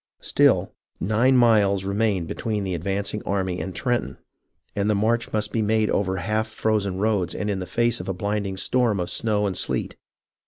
Still nine miles remained between the advancing army and Trenton, and the march must be made over half frozen roads and in the face of a blinding storm of snow and sleet.